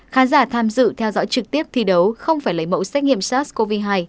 khán giả tham dự theo dõi trực tiếp thi đấu không phải lấy mẫu xét nghiệm sars cov hai